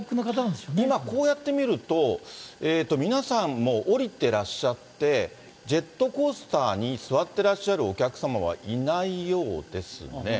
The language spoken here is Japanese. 今、こうやって見ると、皆さんもう下りてらっしゃって、ジェットコースターに座ってらっしゃるお客様はいないようですね。